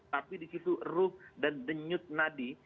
tapi di situ ruh dan denyut nadi